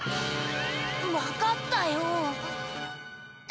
わかったよ。